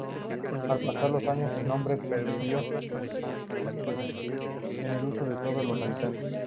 Al pasar los años el nombre pervivió en el uso de todos los habitantes.